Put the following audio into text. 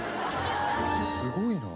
すごいな。